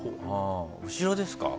後ろですか？